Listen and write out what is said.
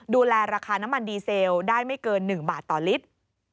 ดูแลราคาน้ำมันดีเซลได้ไม่เกิน๑บาทต่อลิตร